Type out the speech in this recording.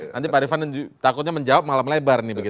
nanti pak irfan takutnya menjawab malam lebar